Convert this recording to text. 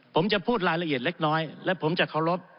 ผมจะพูดรายละเอียดเล็กน้อยและผมจะเคารพ